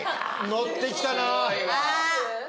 乗ってきたな。